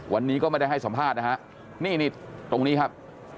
วันนี้ก็ไม่ได้ให้สัมภาษณ์นะฮะนี่นี่ตรงนี้ครับ